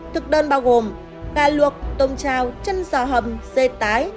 thực đơn bao gồm gà luộc tôm trào chân giò hầm dê tái